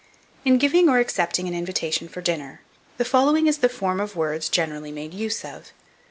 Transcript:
IN GIVING OR ACCEPTING AN INVITATION FOR DINNER, the following is the form of words generally made use of.